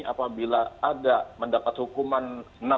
apabila ada mendapat hukuman